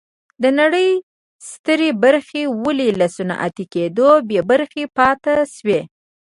د نړۍ سترې برخې ولې له صنعتي کېدو بې برخې پاتې شوې.